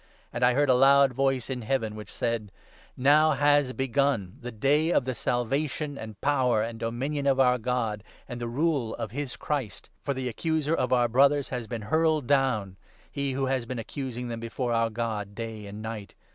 And 10 I heard a loud voice in Heaven which said —' Now has begun the day of the Salvation, and Power, and Dominion of our God, and the Rule of his Christ ; for the Accuser of our Brothers has been hurled down, he who has been accusing them before our God day and night.